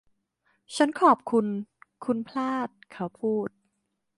ฉันขอบคุณคุณพลาด เขาพูด